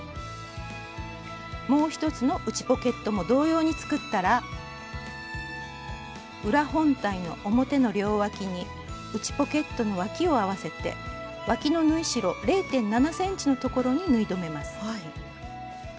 もう一つの内ポケットも同様に作ったら裏本体の表の両わきに内ポケットのわきを合わせてわきの縫い代０．７ｃｍのところに縫い留めます。